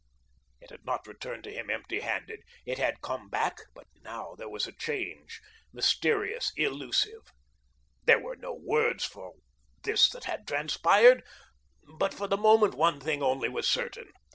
It had not returned to him empty handed. It had come back, but now there was a change mysterious, illusive. There were no words for this that had transpired. But for the moment, one thing only was certain.